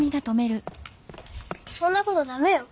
そんなことだめよ。